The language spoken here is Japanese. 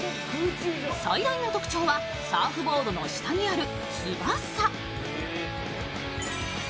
最大の特徴はサーフボードの下にある翼。